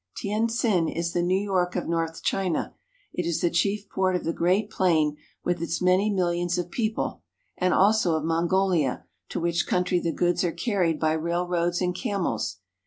Tientsin is the New York of North China. It is the chief port of the Great Plain, with its many millions of Il8 CHINA people, and also of Mongolia, to which country the goods are carried by railroads and camels.